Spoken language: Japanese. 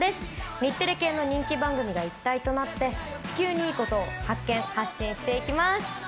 日テレ系の人気番組が一体となって地球にいいことを発見、発信していきます。